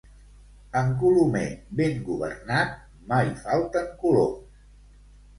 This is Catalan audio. En colomer ben governat mai falten coloms.